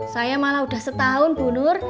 saya malah sudah setahun bu nur